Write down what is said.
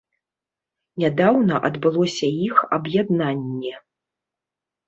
Нядаўна адбылося іх аб'яднанне.